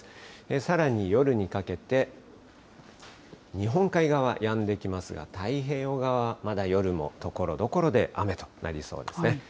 さらに夜にかけて、日本海側、やんできますが、太平洋側はまだ夜もところどころで雨となりそうですね。